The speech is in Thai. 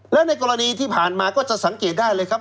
แล้วในกรณีที่ผ่านมาก็จะสังเกตได้เลยครับ